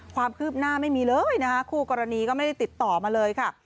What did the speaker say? ความคืบหน้าไม่มีเลยนะคะคู่กรณีก็ไม่ได้ติดต่อมาเลยค่ะ